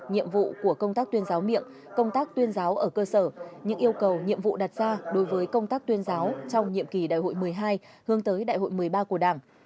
nhiệm vụ của công tác tuyên giáo miệng công tác tuyên giáo ở cơ sở những yêu cầu nhiệm vụ đặt ra đối với công tác tuyên giáo trong nhiệm kỳ đại hội một mươi hai hướng tới đại hội một mươi ba của đảng